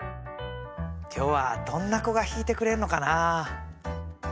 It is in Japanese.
今日はどんな子が弾いてくれるのかな？